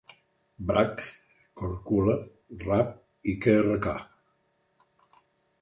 Brač, Korčula, Rab i Krk.